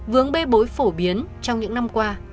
vướng bê bối phổ biến trong những năm qua